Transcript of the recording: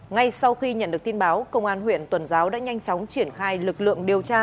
ngay sau khi nhận được tin báo công an huyện tuần giáo đã nhanh chóng triển khai lực lượng điều tra